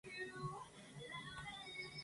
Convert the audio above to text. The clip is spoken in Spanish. Se ha naturalizado ampliamente en Europa.